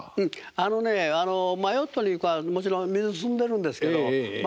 あのねヨットにもちろん水積んでるんですけどま